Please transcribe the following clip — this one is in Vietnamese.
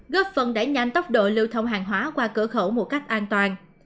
góp phần đẩy nhanh tốc độ lưu thông hàng hóa qua cửa khẩu một cách an toàn